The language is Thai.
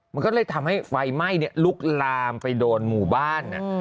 มันก็เลยทำให้ไฟไหม้ลุกลามไปโดนหมู่บ้าน